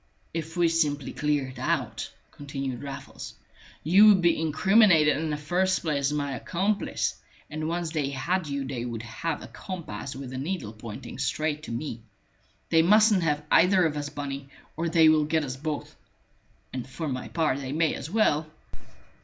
"If we simply cleared out," continued Raffles, "you would be incriminated in the first place as my accomplice, and once they had you they would have a compass with the needle pointing straight to me. They mustn't have either of us, Bunny, or they will get us both. And for my part they may as well!"